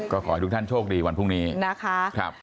ก็ขอให้ทุกท่านโชคดีวันพรุ่งนี้นะคะ